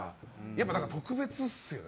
特別ですよね。